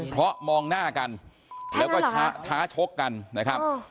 เพราะมองหน้ากันแล้วก็ท้าชกกันนะครับ